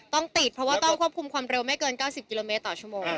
ต้องติดเพราะว่าต้องควบคุมความเร็วไม่เกิน๙๐กิโลเมตรต่อชั่วโมง